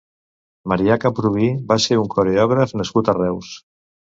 Marià Camprubí va ser un coreògraf nascut a Reus.